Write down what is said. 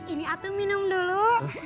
ini atuh minum dulu